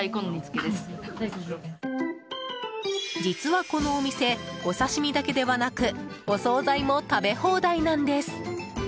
実は、このお店お刺し身だけではなくお総菜も食べ放題なんです。